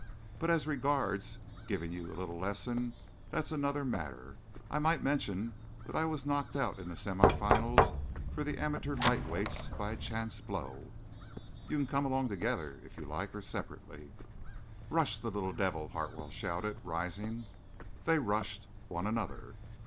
But as regards giving you a little lesson, that's another matter. I might mention that I was knocked out in the semi finals for the amateur lightweights by a chance blow. You can come along together, if you like, or separately." "Rush the little devil!" Hartwell shouted, rising. They rushed one another.